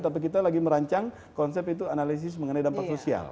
tapi kita lagi merancang konsep itu analisis mengenai dampak sosial